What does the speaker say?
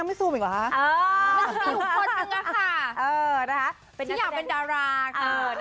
ที่อยากเป็นดาราค่ะ